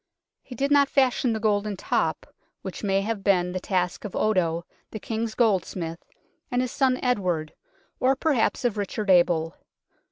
He did not fashion the golden top, which may have been the task of Odo, the King's goldsmith, and his son Edward, or perhaps of Richard Abel.